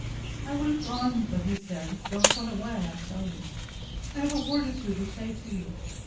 I would have gone; but he said, Don't run away, I tell you. I have a word or two to say to you.